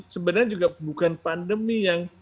sebenarnya juga bukan pandemi yang